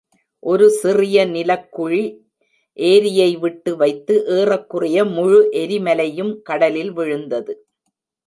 ஒரு சிறிய நிலக்குழி ஏரியை விட்டுவைத்து, ஏறக்குறைய முழு எரிமலையும் கடலில் விழுந்தது.